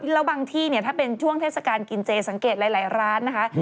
แล้วบางที่เนี่ยถ้าเป็นช่วงเทศกาลกินเจสังเกตหลายร้านนะคะ